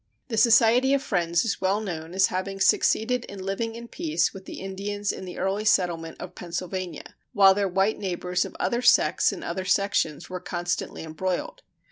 The Society of Friends is well known as having succeeded in living in peace with the Indians in the early settlement of Pennsylvania, while their white neighbors of other sects in other sections were constantly embroiled.